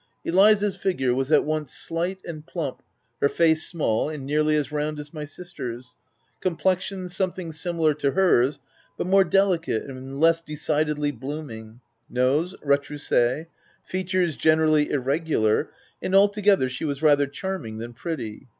Eliza's figure was at once slight and plump, her face small, and nearly as round as my sister's, — com ' plexion, something similar to hers, but more delicate and less decidedly blooming, — nose, retrousse, — features, generally irregular ;— and r altogether, she was rather charming than pretty.